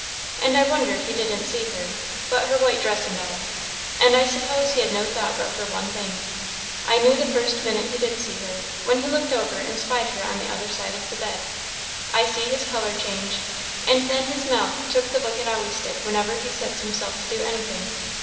And I wondered he didn't see her; but her white dress and all and I suppose he had no thought but for one thing. I knew the first minute he did see her, when he looked over and spied her on the other side of the bed. I see his colour change; and then his mouth took the look it always did whenever he sets himself to do anything.